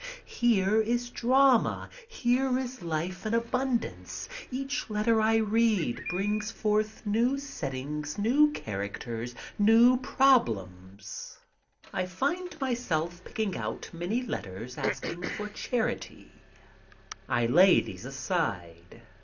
Here is drama. Here is life in abundance. Each letter I read brings forth new settings, new characters, new prob lems. I find myself picking out many letters asking for charity. I lay these aside.